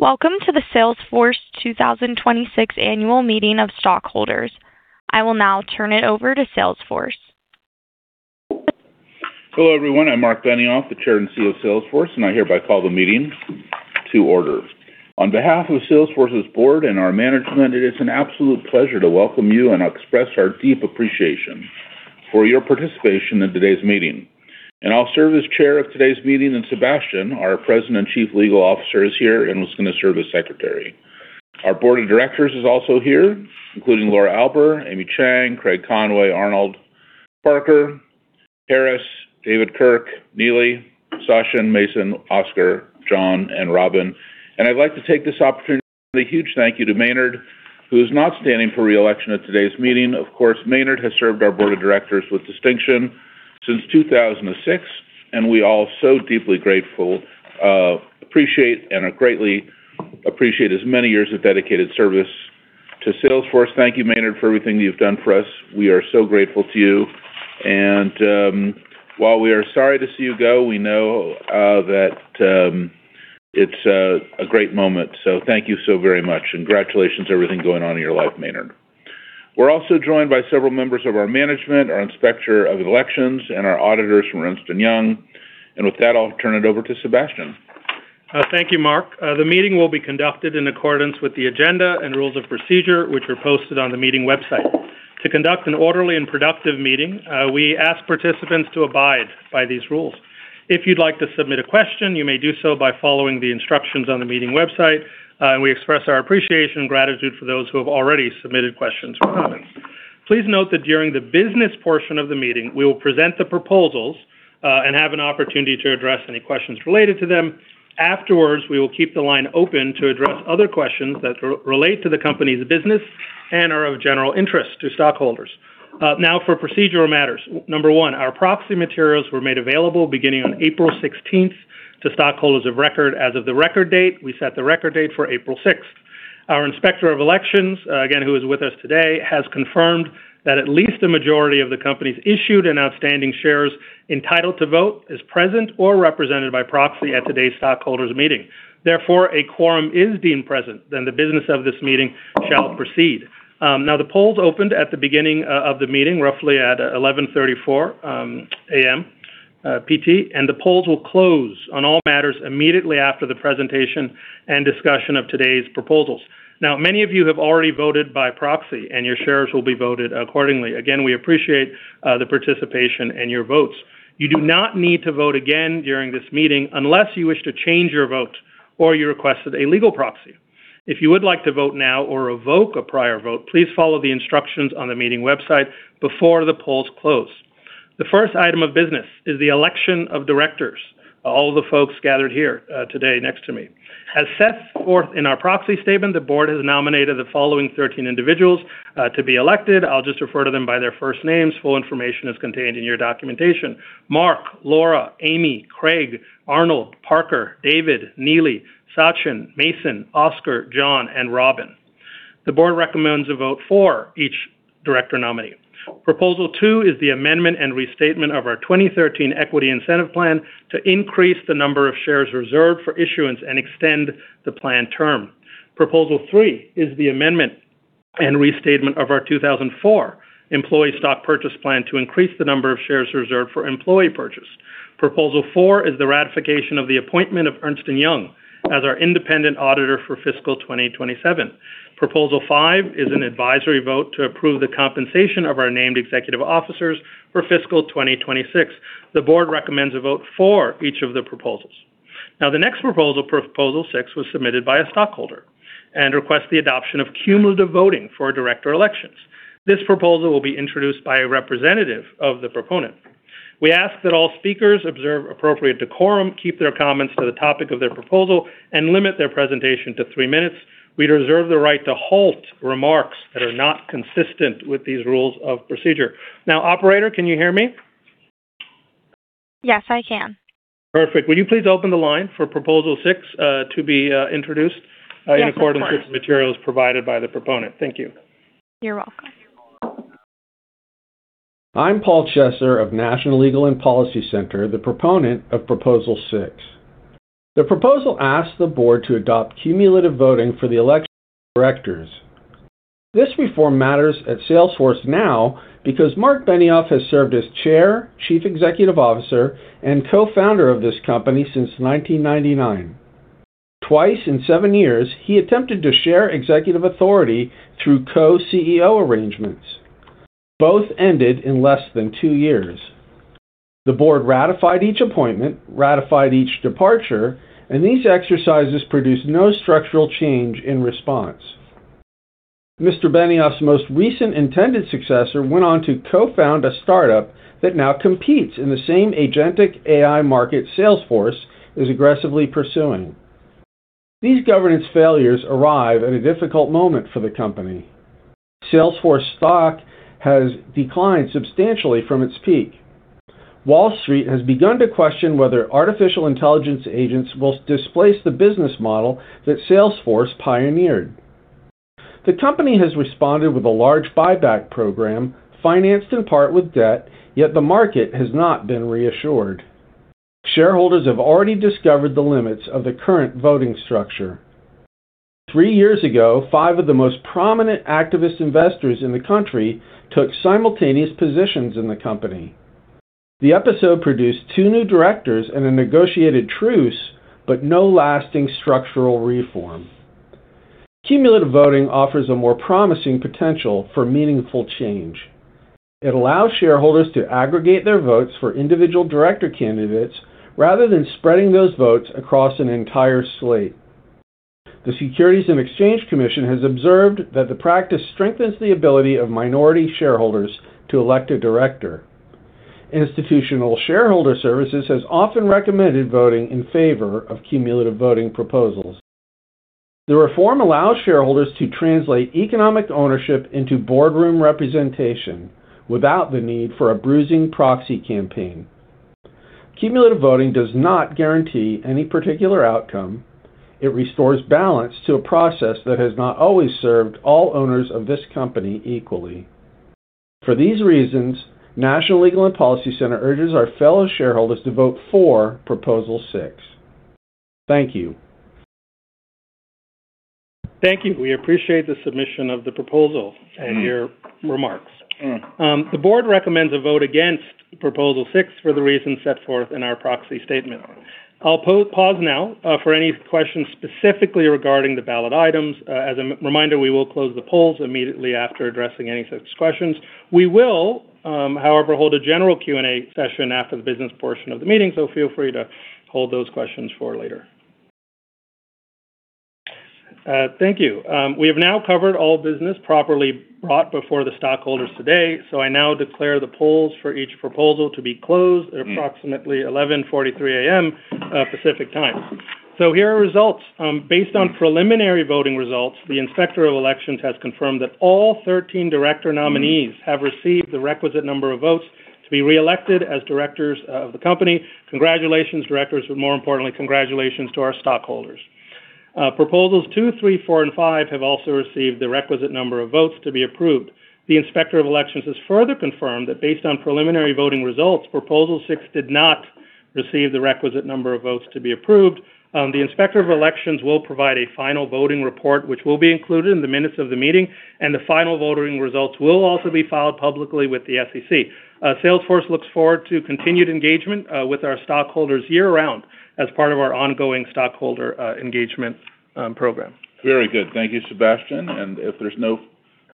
Welcome to the Salesforce 2026 Annual Meeting of Stockholders. I will now turn it over to Salesforce. Hello, everyone. I'm Marc Benioff, the Chair and CEO of Salesforce. I hereby call the meeting to order. On behalf of Salesforce's board and our management, it is an absolute pleasure to welcome you and express our deep appreciation for your participation in today's meeting. I'll serve as Chair of today's meeting, Sabastian, our President Chief Legal Officer, is here and is going to serve as Secretary. Our board of directors is also here, including Laura Alber, Amy Chang, Craig Conway, Arnold Donald, Parker Harris, David B. Kirk, Neelie Kroes, Sachin Mehra, Mason Morfit, Oscar Munoz, John V. Roos, and Robin Washington. I'd like to take this opportunity to say a huge thank you to Maynard Webb, who is not standing for re-election at today's meeting. Of course, Maynard has served our board of directors with distinction since 2006, and we all are so deeply grateful, appreciate, and greatly appreciate his many years of dedicated service to Salesforce. Thank you, Maynard, for everything you've done for us. We are so grateful to you. While we are sorry to see you go, we know that it's a great moment, so thank you so very much, and congratulations on everything going on in your life, Maynard. We're also joined by several members of our management, our inspector of elections, and our auditors from Ernst & Young. With that, I'll turn it over to Sabastian. Thank you, Marc. The meeting will be conducted in accordance with the agenda and rules of procedure, which were posted on the meeting website. To conduct an orderly and productive meeting, we ask participants to abide by these rules. If you'd like to submit a question, you may do so by following the instructions on the meeting website. We express our appreciation and gratitude for those who have already submitted questions for comments. Please note that during the business portion of the meeting, we will present the proposals, and have an opportunity to address any questions related to them. Afterwards, we will keep the line open to address other questions that relate to the company's business and are of general interest to stockholders. Now for procedural matters. Number one, our proxy materials were made available beginning on April 16th to stockholders of record as of the record date. We set the record date for April 6th. Our Inspector of Elections, again, who is with us today, has confirmed that at least a majority of the company's issued and outstanding shares entitled to vote is present or represented by proxy at today's stockholders' meeting. A quorum is being present, then the business of this meeting shall proceed. The polls opened at the beginning of the meeting, roughly at 11:34 A.M. PT, and the polls will close on all matters immediately after the presentation and discussion of today's proposals. Many of you have already voted by proxy, and your shares will be voted accordingly. Again, we appreciate the participation and your votes. You do not need to vote again during this meeting unless you wish to change your vote or you requested a legal proxy. If you would like to vote now or revoke a prior vote, please follow the instructions on the meeting website before the polls close. The first item of business is the election of directors. All the folks gathered here today next to me. As set forth in our proxy statement, the board has nominated the following 13 individuals to be elected. I'll just refer to them by their first names. Full information is contained in your documentation. Marc, Laura, Amy, Craig, Arnold, Parker, David, Neelie, Sachin, Mason, Oscar, John, and Robin. The board recommends a vote for each director nominee. Proposal two is the amendment and restatement of our 2013 Equity Incentive Plan to increase the number of shares reserved for issuance and extend the plan term. Proposal three is the amendment and restatement of our 2004 Employee Stock Purchase Plan to increase the number of shares reserved for employee purchase. Proposal four is the ratification of the appointment of Ernst & Young as our independent auditor for fiscal 2027. Proposal five is an advisory vote to approve the compensation of our named executive officers for fiscal 2026. The board recommends a vote for each of the proposals. The next proposal six, was submitted by a stockholder and requests the adoption of cumulative voting for director elections. This proposal will be introduced by a representative of the proponent. We ask that all speakers observe appropriate decorum, keep their comments to the topic of their proposal, and limit their presentation to three minutes. We reserve the right to halt remarks that are not consistent with these rules of procedure. Operator, can you hear me? Yes, I can. Perfect. Will you please open the line for proposal six to be introduced. Yes, of course. in accordance with materials provided by the proponent? Thank you. You're welcome. I'm Paul Chesser of National Legal and Policy Center, the proponent of proposal six. The proposal asks the board to adopt cumulative voting for the election of directors. This reform matters at Salesforce now because Marc Benioff has served as chair, chief executive officer, and co-founder of this company since 1999. Twice in seven years, he attempted to share executive authority through co-CEO arrangements. Both ended in less than two years. The board ratified each appointment, ratified each departure, and these exercises produced no structural change in response. Mr. Benioff's most recent intended successor went on to co-found a startup that now competes in the same agentic AI market Salesforce is aggressively pursuing. These governance failures arrive at a difficult moment for the company. Salesforce stock has declined substantially from its peak. Wall Street has begun to question whether artificial intelligence agents will displace the business model that Salesforce pioneered. The company has responded with a large buyback program financed in part with debt, yet the market has not been reassured. Shareholders have already discovered the limits of the current voting structure. Three years ago, five of the most prominent activist investors in the country took simultaneous positions in the company. The episode produced two new directors and a negotiated truce, but no lasting structural reform. Cumulative voting offers a more promising potential for meaningful change. It allows shareholders to aggregate their votes for individual director candidates rather than spreading those votes across an entire slate. The Securities and Exchange Commission has observed that the practice strengthens the ability of minority shareholders to elect a director. Institutional Shareholder Services has often recommended voting in favor of cumulative voting proposals. The reform allows shareholders to translate economic ownership into boardroom representation without the need for a bruising proxy campaign. Cumulative voting does not guarantee any particular outcome. It restores balance to a process that has not always served all owners of this company equally. For these reasons, National Legal and Policy Center urges our fellow shareholders to vote for Proposal six. Thank you. Thank you. We appreciate the submission of the proposal and your remarks. The board recommends a vote against Proposal six for the reasons set forth in our proxy statement. I'll pause now for any questions specifically regarding the ballot items. As a reminder, we will close the polls immediately after addressing any such questions. We will, however, hold a general Q&A session after the business portion of the meeting, so feel free to hold those questions for later. Thank you. We have now covered all business properly brought before the stockholders today. I now declare the polls for each proposal to be closed at approximately 11:43 A.M. Pacific Time. Here are the results. Based on preliminary voting results, the Inspector of Elections has confirmed that all 13 director nominees have received the requisite number of votes to be reelected as directors of the company. Congratulations, directors, but more importantly, congratulations to our stockholders. Proposals two, three, four, and five have also received the requisite number of votes to be approved. The Inspector of Elections has further confirmed that based on preliminary voting results, Proposal six did not receive the requisite number of votes to be approved. The Inspector of Elections will provide a final voting report, which will be included in the minutes of the meeting, and the final voting results will also be filed publicly with the SEC. Salesforce looks forward to continued engagement with our stockholders year-round as part of our ongoing stockholder engagement program. Very good. Thank you, Sabastian. If there's no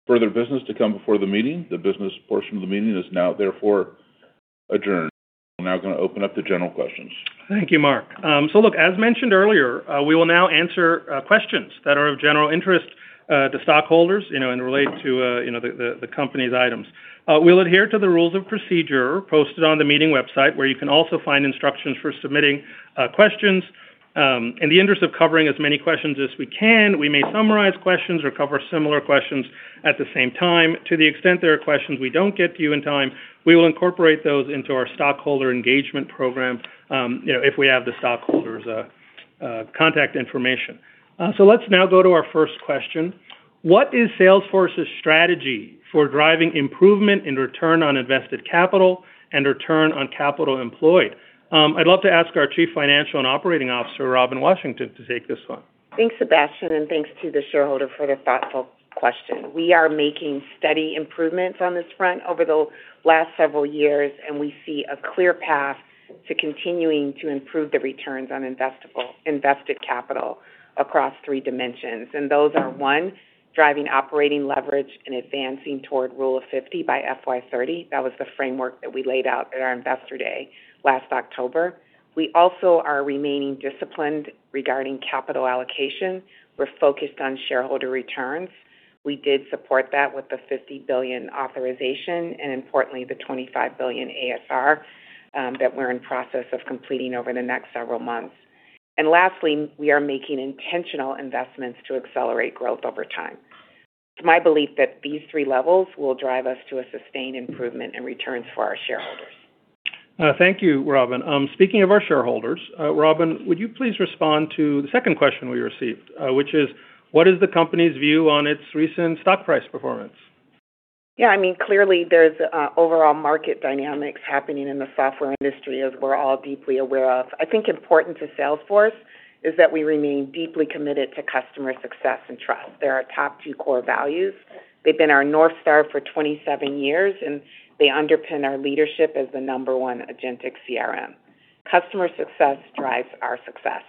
further business to come before the meeting, the business portion of the meeting is now therefore adjourned. We're now going to open up to general questions. Thank you, Marc. As mentioned earlier, we will now answer questions that are of general interest to stockholders and relate to the company's items. We'll adhere to the rules of procedure posted on the meeting website, where you can also find instructions for submitting questions. In the interest of covering as many questions as we can, we may summarize questions or cover similar questions at the same time. To the extent there are questions we don't get to in time, we will incorporate those into our stockholder engagement program, if we have the stockholder's contact information. Let's now go to our first question. What is Salesforce's strategy for driving improvement in return on invested capital and return on capital employed? I'd love to ask our Chief Financial and Operating Officer, Robin Washington, to take this one. Thanks, Sabastian, thanks to the shareholder for the thoughtful question. We are making steady improvements on this front over the last several years, and we see a clear path to continuing to improve the returns on invested capital across three dimensions. Those are, one, driving operating leverage and advancing toward Rule of 50 by FY 2030. That was the framework that we laid out at our Investor Day last October. We also are remaining disciplined regarding capital allocation. We're focused on shareholder returns. We did support that with the $50 billion authorization and importantly, the $25 billion ASR that we're in process of completing over the next several months. Lastly, we are making intentional investments to accelerate growth over time. It's my belief that these three levels will drive us to a sustained improvement in returns for our shareholders. Thank you, Robin. Speaking of our shareholders, Robin, would you please respond to the second question we received, which is: What is the company's view on its recent stock price performance? Yeah. Clearly there's overall market dynamics happening in the software industry, as we're all deeply aware of. I think important to Salesforce is that we remain deeply committed to customer success and trust. They're our top two core values. They've been our North Star for 27 years, and they underpin our leadership as the number one agentic CRM. Customer success drives our success.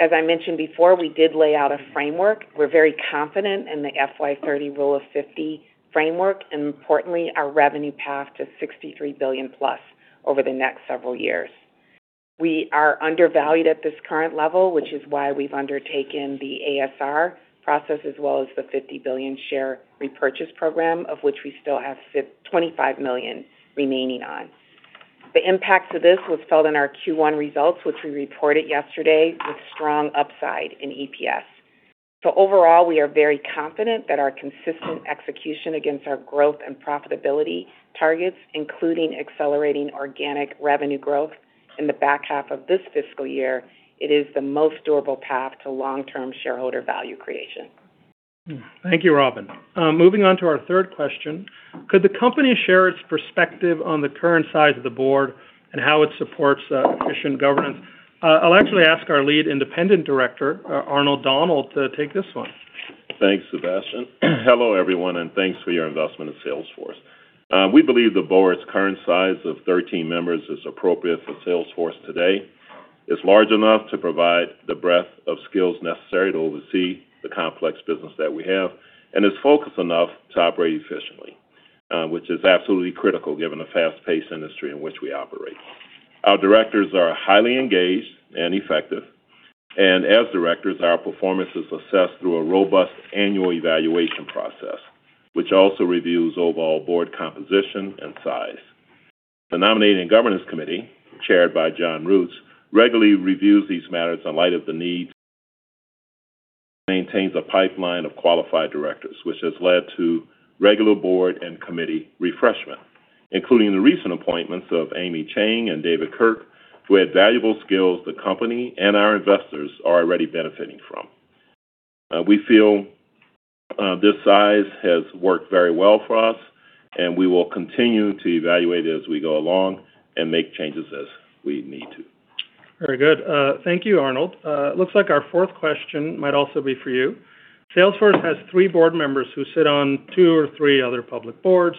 As I mentioned before, we did lay out a framework. We're very confident in the FY 2030 Rule of 50 framework, and importantly, our revenue path to $63 billion+ over the next several years. We are undervalued at this current level, which is why we've undertaken the ASR process as well as the $50 billion share repurchase program, of which we still have $25 million remaining on. The impacts of this was felt in our Q1 results, which we reported yesterday, with strong upside in EPS. Overall, we are very confident that our consistent execution against our growth and profitability targets, including accelerating organic revenue growth in the back half of this fiscal year, it is the most durable path to long-term shareholder value creation. Thank you, Robin. Moving on to our third question. Could the company share its perspective on the current size of the board and how it supports efficient governance? I'll actually ask our Lead Independent Director, Arnold Donald, to take this one. Thanks, Sabastian. Hello, everyone, and thanks for your investment in Salesforce. We believe the board's current size of 13 members is appropriate for Salesforce today. It's large enough to provide the breadth of skills necessary to oversee the complex business that we have, and is focused enough to operate efficiently, which is absolutely critical given the fast-paced industry in which we operate. Our directors are highly engaged and effective, and as directors, our performance is assessed through a robust annual evaluation process, which also reviews overall board composition and size. The Nominating and Corporate Governance Committee, chaired by John V. Roos, regularly reviews these matters in light of the needs, maintains a pipeline of qualified directors, which has led to regular board and committee refreshment, including the recent appointments of Amy Chang and David Kirk, who add valuable skills the company and our investors are already benefiting from. We feel this size has worked very well for us, and we will continue to evaluate it as we go along and make changes as we need to. Very good. Thank you, Arnold. Looks like our fourth question might also be for you. Salesforce has three board members who sit on two or three other public boards.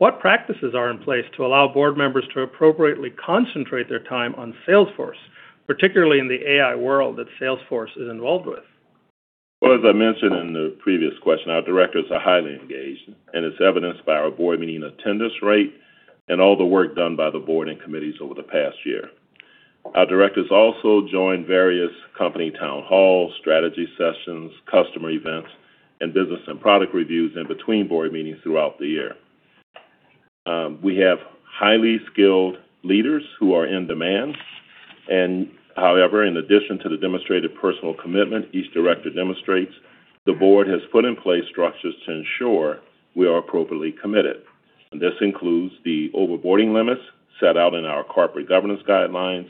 What practices are in place to allow board members to appropriately concentrate their time on Salesforce, particularly in the AI world that Salesforce is involved with? As I mentioned in the previous question, our directors are highly engaged, and it's evidenced by our board meeting attendance rate and all the work done by the board and committees over the past year. Our directors also join various company town halls, strategy sessions, customer events, and business and product reviews in between board meetings throughout the year. We have highly skilled leaders who are in demand. However, in addition to the demonstrated personal commitment each director demonstrates, the board has put in place structures to ensure we are appropriately committed. This includes the over-boarding limits set out in our corporate governance guidelines.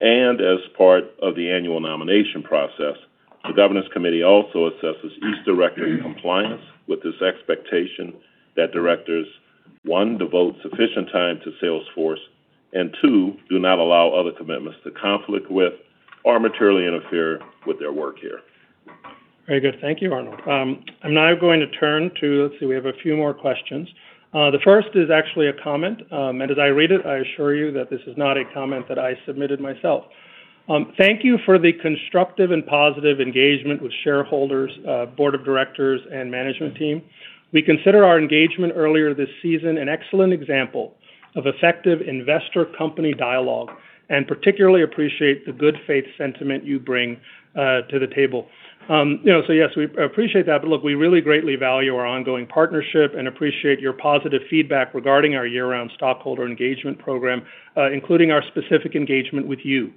As part of the annual nomination process, the governance committee also assesses each director in compliance with this expectation that directors, one, devote sufficient time to Salesforce, and two, do not allow other commitments to conflict with or materially interfere with their work here. Very good. Thank you, Arnold Donald. I'm now going to turn to, let's see, we have a few more questions. The first is actually a comment, and as I read it, I assure you that this is not a comment that I submitted myself. Thank you for the constructive and positive engagement with shareholders, board of directors, and management team. We consider our engagement earlier this season an excellent example of effective investor-company dialogue, and particularly appreciate the good faith sentiment you bring to the table. Yes, we appreciate that, but look, we really greatly value our ongoing partnership and appreciate your positive feedback regarding our year-round stockholder engagement program, including our specific engagement with you.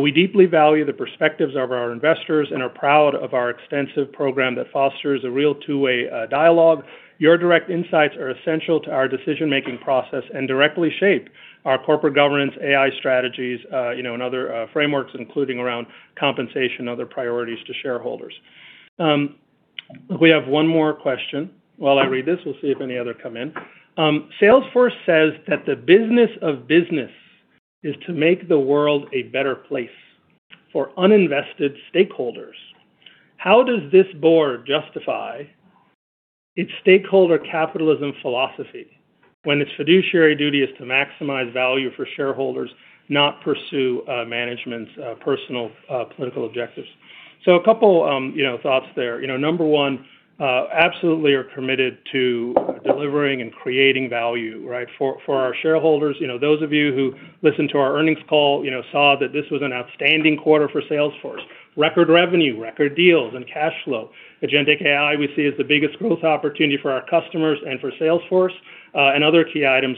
We deeply value the perspectives of our investors and are proud of our extensive program that fosters a real two-way dialogue. Your direct insights are essential to our decision-making process and directly shape our corporate governance, AI strategies, and other frameworks, including around compensation and other priorities to shareholders. We have one more question. While I read this, we'll see if any other come in. Salesforce says that the business of business is to make the world a better place for uninvested stakeholders. How does this board justify its stakeholder capitalism philosophy when its fiduciary duty is to maximize value for shareholders, not pursue management's personal political objectives? A couple thoughts there. Number one, absolutely are committed to delivering and creating value for our shareholders. Those of you who listened to our earnings call saw that this was an outstanding quarter for Salesforce. Record revenue, record deals, and cash flow. Agentic AI, we see as the biggest growth opportunity for our customers and for Salesforce, and other key items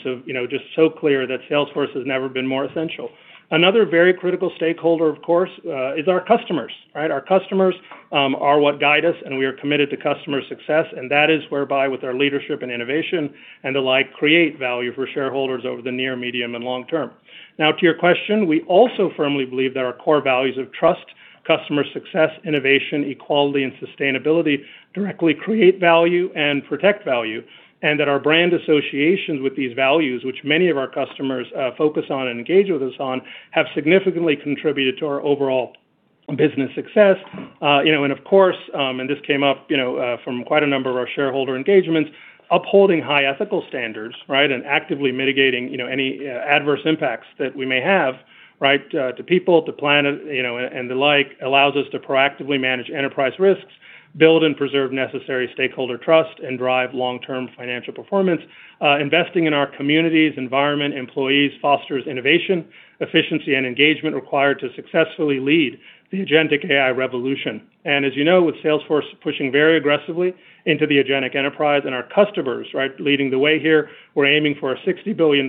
just so clear that Salesforce has never been more essential. Another very critical stakeholder, of course, is our customers. Our customers are what guide us, and we are committed to customer success, and that is whereby with our leadership and innovation and the like, create value for shareholders over the near, medium, and long-term. Now to your question, we also firmly believe that our core values of trust, customer success, innovation, equality, and sustainability directly create value and protect value, and that our brand associations with these values, which many of our customers focus on and engage with us on, have significantly contributed to our overall business success. Of course, this came up from quite a number of our shareholder engagements, upholding high ethical standards and actively mitigating any adverse impacts that we may have to people, planet, and the like, allows us to proactively manage enterprise risks, build and preserve necessary stakeholder trust, and drive long-term financial performance. Investing in our communities, environment, employees fosters innovation, efficiency, and engagement required to successfully lead the agentic AI revolution. As you know, with Salesforce pushing very aggressively into the agentic enterprise and our customers leading the way here, we're aiming for a $60 billion+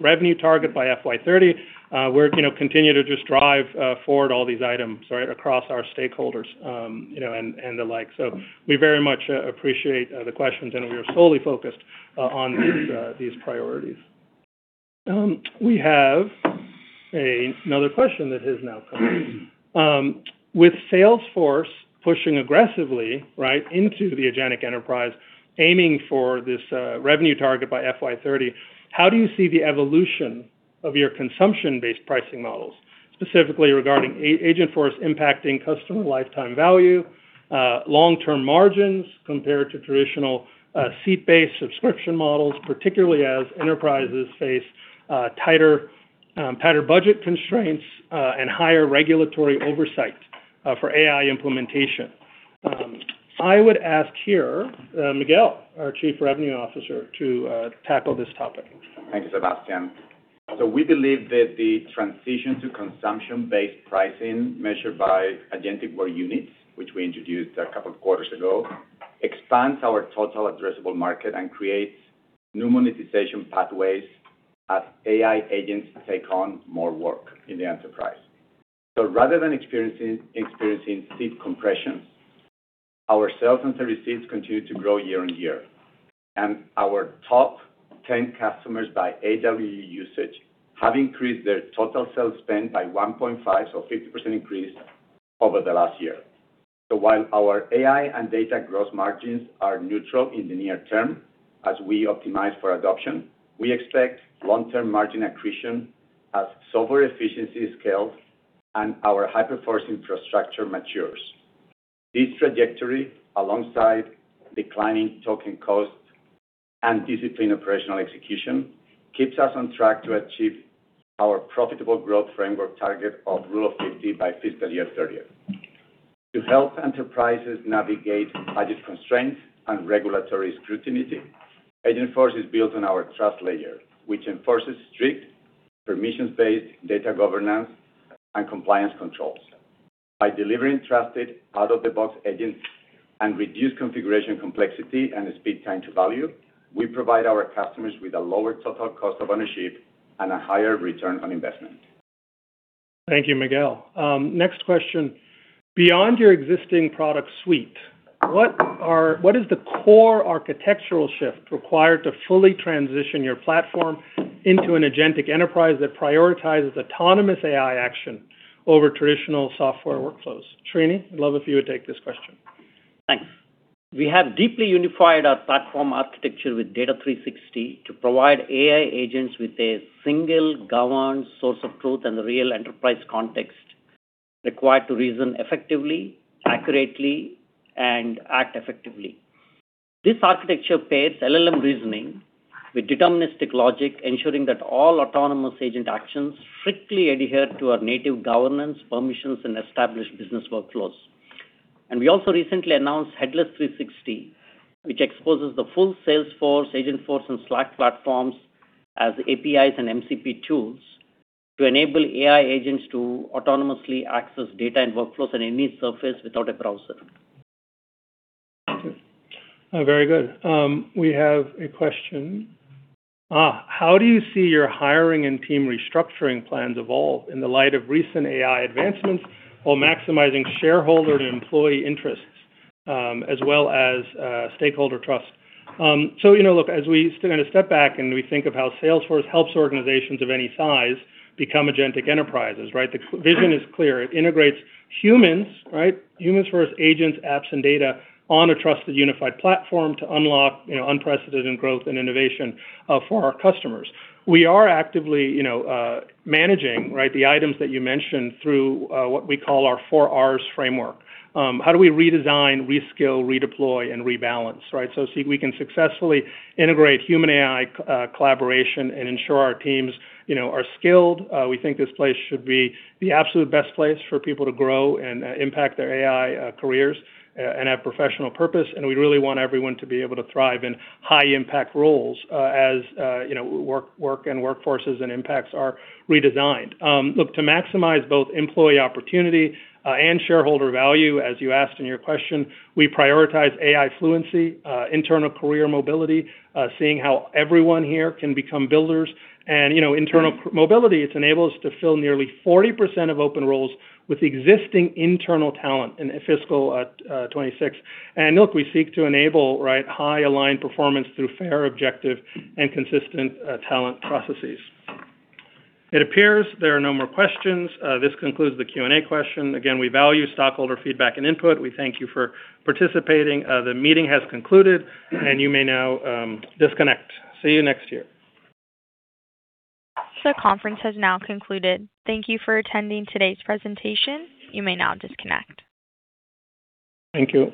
revenue target by FY 2030, we're continuing to just drive forward all these items across our stakeholders and the like. We very much appreciate the questions, and we are solely focused on these priorities. We have another question that has now come in. With Salesforce pushing aggressively into the agentic enterprise, aiming for this revenue target by FY 2030, how do you see the evolution of your consumption-based pricing models, specifically regarding Agentforce impacting customer lifetime value, long-term margins compared to traditional seat-based subscription models, particularly as enterprises face tighter budget constraints and higher regulatory oversight for AI implementation? I would ask here, Miguel, our chief revenue officer, to tackle this topic. Thank you, Sabastian. We believe that the transition to consumption-based pricing measured by Agent Work Units, which we introduced a couple of quarters ago, expands our total addressable market and creates new monetization pathways as AI agents take on more work in the enterprise. Rather than experiencing seat compression, our sales and services continue to grow year-on-year, and our top 10 customers by AWU usage have increased their total sales spend by 1.5, a 50% increase over the last year. While our AI and data gross margins are neutral in the near term, as we optimize for adoption, we expect long-term margin accretion as software efficiency scales and our Hyperforce infrastructure matures. This trajectory, alongside declining token costs and disciplined operational execution, keeps us on track to achieve our profitable growth framework target of Rule of 50 by fiscal year 30. To help enterprises navigate budget constraints and regulatory scrutiny, Agentforce is built on our Trust Layer, which enforces strict permissions-based data governance and compliance controls. By delivering trusted out-of-the-box agents and reduced configuration complexity and speed time to value, we provide our customers with a lower total cost of ownership and a higher return on investment. Thank you, Miguel. Next question: Beyond your existing product suite, what is the core architectural shift required to fully transition your platform into an agentic enterprise that prioritizes autonomous AI action over traditional software workflows? Srini, I'd love if you would take this question. Thanks. We have deeply unified our platform architecture with Data 360 to provide AI agents with a single governed source of truth and the real enterprise context required to reason effectively, accurately, and act effectively. This architecture pairs LLM reasoning with deterministic logic, ensuring that all autonomous agent actions strictly adhere to our native governance permissions and established business workflows. We also recently announced Headless 360, which exposes the full Salesforce, Agentforce, and Slack platforms as APIs and MCP tools to enable AI agents to autonomously access data and workflows on any surface without a browser. Very good. We have a question. How do you see your hiring and team restructuring plans evolve in the light of recent AI advancements while maximizing shareholder and employee interests, as well as stakeholder trust? Look, as we step back and we think of how Salesforce helps organizations of any size become agentic enterprises, the vision is clear. It integrates humans, right? Humans first, agents, apps, and data on a trusted, unified platform to unlock unprecedented growth and innovation for our customers. We are actively managing the items that you mentioned through what we call our four R's framework. How do we redesign, reskill, redeploy, and rebalance? We can successfully integrate human AI collaboration and ensure our teams are skilled. We think this place should be the absolute best place for people to grow and impact their AI careers and have professional purpose. We really want everyone to be able to thrive in high-impact roles as work and workforces and impacts are redesigned. Look, to maximize both employee opportunity and shareholder value, as you asked in your question, we prioritize AI fluency, internal career mobility, seeing how everyone here can become builders, and internal mobility, it's enabled us to fill nearly 40% of open roles with existing internal talent in fiscal 2026. Look, we seek to enable high aligned performance through fair, objective, and consistent talent processes. It appears there are no more questions. This concludes the Q&A question. Again, we value stockholder feedback and input. We thank you for participating. The meeting has concluded, and you may now disconnect. See you next year. This conference has now concluded. Thank you for attending today's presentation. You may now disconnect. Thank you